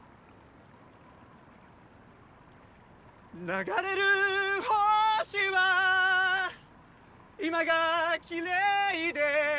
「流れる星は今がきれいで」